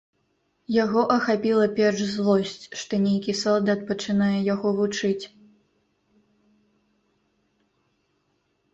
Яго ахапіла перш злосць, што нейкі салдат пачынае яго вучыць.